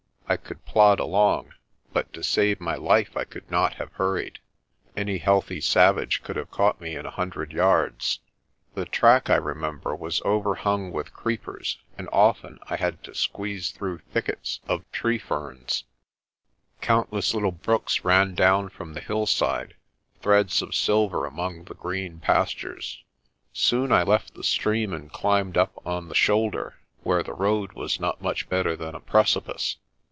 I could plod along, but to save my life I could not have hurried. Any healthy savage could have caught me in a hundred yards. The track, I remember, was overhung with creepers, and often I had to squeeze through thickets of tree ferns. 178 MORNING IN THE BERG 179 Countless little brooks ran down from the hillside, threads of silver among the green pastures. Soon I left the stream and climbed up on the shoulder, where the road was not much better than a precipice.